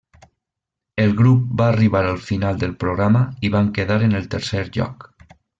El grup va arribar al final del programa i van quedar en el tercer lloc.